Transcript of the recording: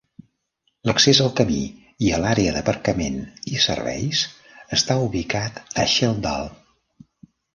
L'accés al camí, i a l'àrea d'aparcament i serveis, està ubicat a Sheldahl.